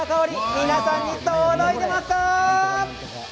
皆さんに届きますか？